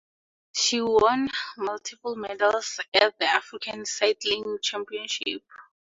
She won multiple medals at the African Cycling Championships.